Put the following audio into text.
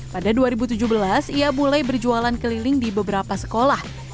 pada dua ribu tujuh belas ia mulai berjualan keliling di beberapa sekolah